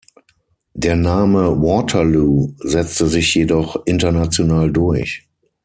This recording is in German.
Der Name „Waterloo“ setzte sich jedoch international durch.